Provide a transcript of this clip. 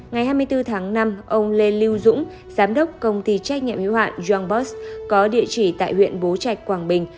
ngày hai mươi bốn tháng năm ông lê lưu dũng giám đốc công ty trách nhiệm hiếu hạn yongbot có địa chỉ tại huyện bố trạch quảng bình